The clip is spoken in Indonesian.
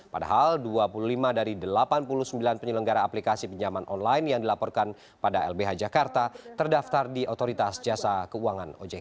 padahal dua puluh lima dari delapan puluh sembilan penyelenggara aplikasi pinjaman online yang dilaporkan pada lbh jakarta terdaftar di otoritas jasa keuangan ojk